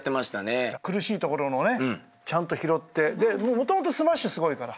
もともとスマッシュすごいから。